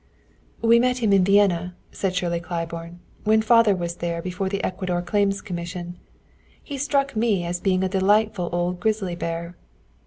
"We met him in Vienna," said Shirley Claiborne, "when father was there before the Ecuador Claims Commission. He struck me as being a delightful old grizzly bear."